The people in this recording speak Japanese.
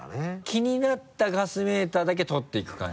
気になったガスメーターだけ撮っていく感じ？